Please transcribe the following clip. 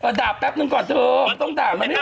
อ่ะดาแป๊บนึงก่อนเถอะมันต้องดามไม่ได้ไว้